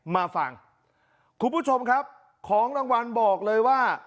มาฟังคุณผู้ชมครับของรางวัลบอกเลยว่า